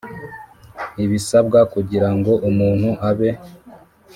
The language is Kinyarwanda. Ibisabwa kugira ngo umuntu abe